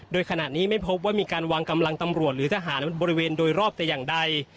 โดยขณะนี้ไม่พบว่ามีการวางกำลังตำรวจหรือทหารบริเวณโดยรอบแต่อย่างใด